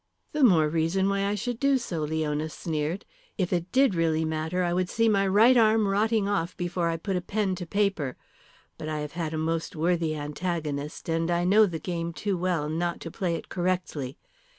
"The more reason why I should do so," Leona sneered. "If it did really matter, I would see my right arm rotting off before I put a pen to paper. But I have had a most worthy antagonist, and I know the game too well not to play it correctly.